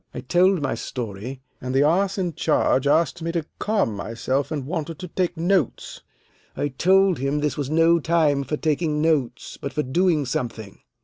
I told my story, and the ass in charge asked me to calm myself, and wanted to take notes. I told him this was no time for taking notes, but for doing something.